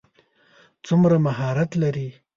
څومره مهارت لري.